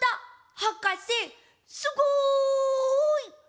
はかせすごい！